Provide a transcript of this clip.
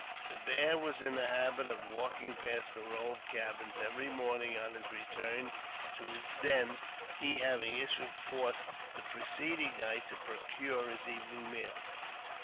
The bear was in the habit of walking past a row of cabins every morning on his return to his den, he having issued forth the preceding night to procure his evening meal.